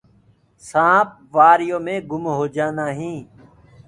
سآنپ وآريو مينٚ گُم هوجآندآ هينٚ۔